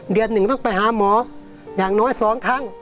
หนึ่งต้องไปหาหมออย่างน้อย๒ครั้ง